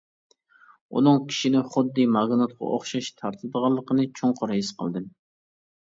ئۇنىڭ كىشىنى خۇددى ماگنىتقا ئوخشاش تارتىدىغانلىقىنى چوڭقۇر ھېس قىلدىم.